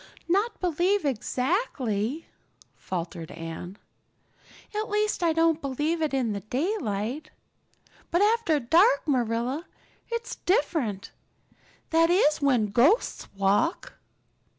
"Not believe exactly," faltered Anne. "At least, I don't believe it in daylight. But after dark, Marilla, it's different. That is when ghosts walk."